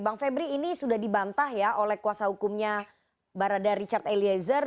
bang febri ini sudah dibantah ya oleh kuasa hukumnya barada richard eliezer